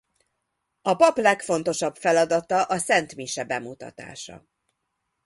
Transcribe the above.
A pap legfontosabb feladata a szentmise bemutatása.